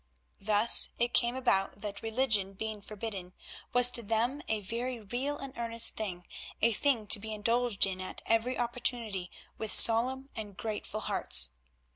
Thus it came about that, religion being forbidden, was to them a very real and earnest thing, a thing to be indulged in at every opportunity with solemn and grateful hearts.